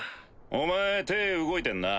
お前手ぇ動いてんな？